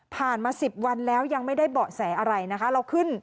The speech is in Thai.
ผ่านมา๑๐วันแล้วยังไม่ได้เบาะแสอะไรนะคะ